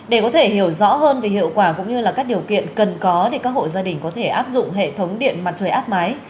để có thể hiểu rõ hơn về hiệu quả cũng như các điều kiện cần có các hộ gia đình có thể áp dụng hệ thống điện mặt trời áp mái